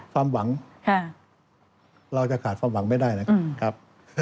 ความหวังเราจะขาดความหวังไม่ได้นะครับ